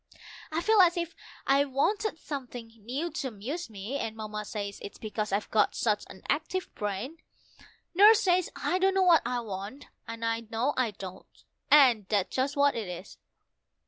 I feel as if I wanted something new to amuse me, and Mamma says it's because I've got such an active brain. Nurse says I don't know what I want, and I know I don't, and that's just what it is.